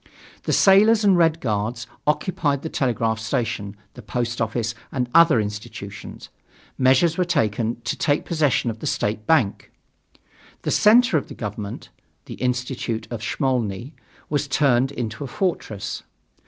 The sailors and Red Guards occupied the telegraph station, the post office and other institutions. Measures were taken to take possession of the state bank. The center of the government, the Institute of Smolny, was turned into a fortress.